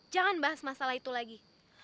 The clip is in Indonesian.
jangan bahas masalah itu lagi